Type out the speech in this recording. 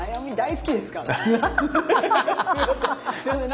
すいません。